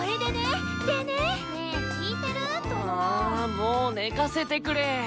もう寝かせてくれ。